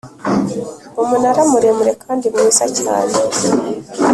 umunara muremure kandi mwiza cyane,